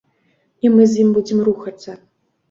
І мы з ім будзем рухацца.